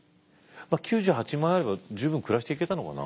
９８万円あれば十分暮らしていけたのかな。